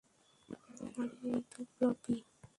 আরে, এই তো ব্লবি।